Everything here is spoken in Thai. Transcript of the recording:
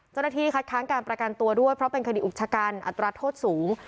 เจ้าหน้าที่คัดค้างการประกันตัวด้วยเพราะเป็นคดีอุกชะกันอัตราโทษสูง